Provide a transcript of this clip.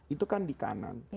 itu kan di kanan